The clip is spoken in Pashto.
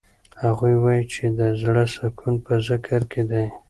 هغوی وایي چې د زړه سکون په ذکر کې دی.